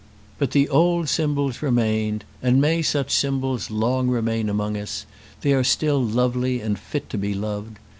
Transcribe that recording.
But the old symbols remained, and may such symbols long remain among us; they are still lovely and fit to be loved.